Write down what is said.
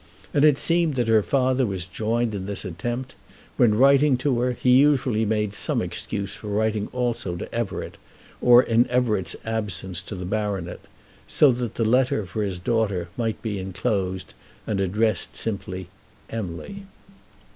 And it seemed that her father was joined in this attempt. When writing to her he usually made some excuse for writing also to Everett, or, in Everett's absence, to the baronet, so that the letter for his daughter might be enclosed and addressed simply to "Emily".